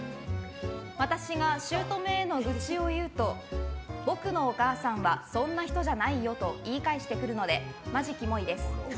私が姑への愚痴を言うと僕のお母さんはそんな人じゃないよ！と言い返してくるのでマジキモいです。